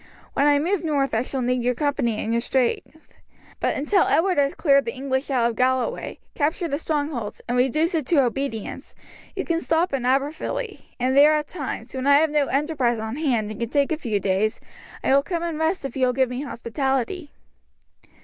When I move north I shall need your company and your strength; but until Edward has cleared the English out of Galloway, captured the strongholds, and reduced it to obedience, you can stop in Aberfilly, and there at times, when I have no enterprise on hand and can take a few days, I will come and rest if you will give me hospitality."